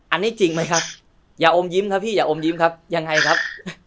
อันนี้จริงไหมครับอย่าอมยิ้มครับพี่อย่าอมยิ้มครับยังไงครับ